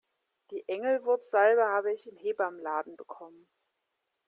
Die Engelwurzsalbe habe ich im Hebammenladen bekommen.